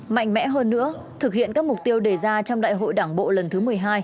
mạnh mẽ hơn nữa thực hiện các mục tiêu đề ra trong đại hội đảng bộ lần thứ một mươi hai